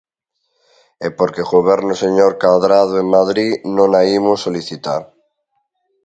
E porque goberne o señor Cadrado en Madrid non a imos solicitar.